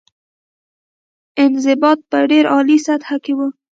انضباط په ډېره عالي سطح کې وه.